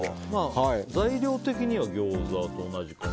材料的にはギョーザと同じか。